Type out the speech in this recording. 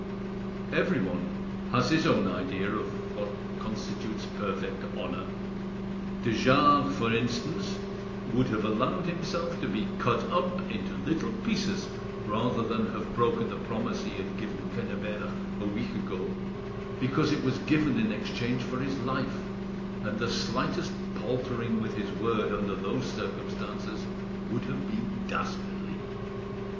Everyone has his own idea of what constitutes perfect honour. De Jars, for instance, would have allowed himself to be cut up into little pieces rather than have broken the promise he had given Quennebert a week ago, because it was given in exchange for his life, and the slightest paltering with his word under those circumstances would have been dastardly.